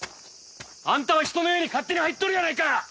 あんたは人の家に勝手に入っとるやないか！